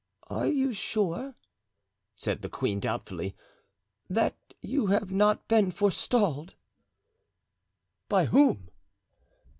"Are you sure," said the queen doubtfully, "that you have not been forestalled?" "By whom?"